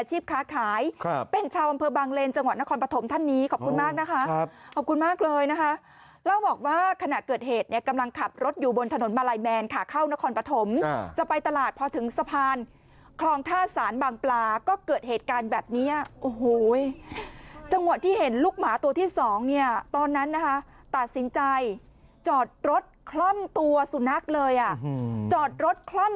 เป็นชาวอำเภอบางเลนจังหวัดนครปฐมท่านนี้ขอบคุณมากนะคะขอบคุณมากเลยนะคะเล่าบอกว่าขณะเกิดเหตุเนี่ยกำลังขับรถอยู่บนถนนมาลัยแมนค่ะเข้านครปฐมจะไปตลาดพอถึงสะพานคลองท่าสารบางปลาก็เกิดเหตุการณ์แบบนี้โอ้โหจังหวะที่เห็นลูกหมาตัวที่สองเนี่ยตอนนั้นนะคะตัดสินใจจอดรถคล่อมตัวสุนัขเลยอ่ะจอดรถคล่อม